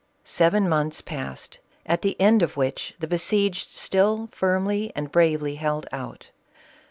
Seven months passed, at the end of which the besieged still firmly and bravely held out.